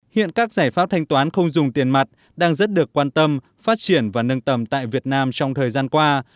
hiện các giải pháp thanh toán không dùng tiền mặt đang rất được quan tâm phát triển và nâng tầm tại việt nam trong thời gian qua